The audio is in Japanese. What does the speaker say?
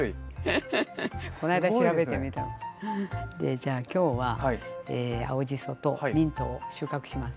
じゃあ今日は青じそとミントを収獲します。